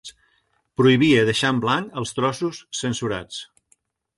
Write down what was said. Prohibia deixar en blanc els trossos censurats